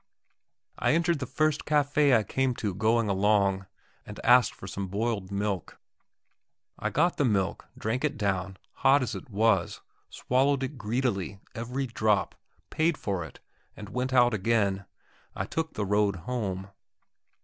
I entered the first café I came to going along, and asked for some boiled milk. I got the milk, drank it down, hot as it was, swallowed it greedily, every drop, paid for it, and went out again. I took the road home.